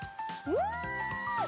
・うん！